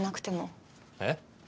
えっ？